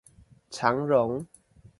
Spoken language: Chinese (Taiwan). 長榮